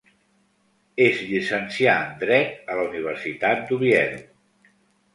Es llicencià en dret a la Universitat d'Oviedo.